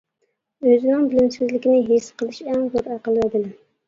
ئۆزىنىڭ بىلىمسىزلىكىنى ھېس قىلىش ئەڭ زور ئەقىل ۋە بىلىم.